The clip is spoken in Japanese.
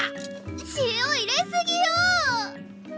塩入れすぎよォ！